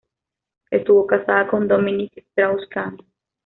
Estuvo casada con Dominique Strauss-Kahn.